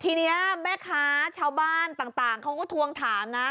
ทีนี้แม่ค้าชาวบ้านต่างเขาก็ทวงถามนะ